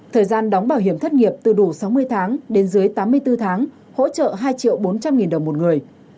thời gian đóng bảo hiểm thất nghiệp từ đủ sáu mươi tháng đến dưới tám mươi bốn tháng hỗ trợ hai bốn trăm linh nghìn đồng một người